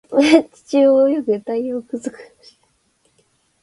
地中を泳ぐダイオウグソクムシ